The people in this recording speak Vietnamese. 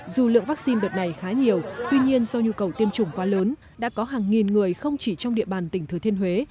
dù lượng vaccine đợt này khá nhiều tuy nhiên do nhu cầu tiêm chủng quá lớn đã có hàng nghìn người không chỉ trong địa bàn tỉnh thừa thiên huế